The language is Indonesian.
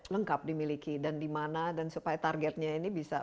lengkap dimiliki dan dimana dan supaya targetnya ini bisa